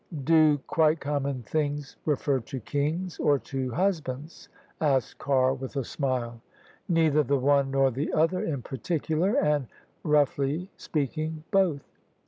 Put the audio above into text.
" Do ' quite common things ' refer to kings or to hus bands?" asked Carr with a smile. " Neither the one nor the other in particular, and roughly speaking both.